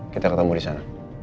kita ketemu di sana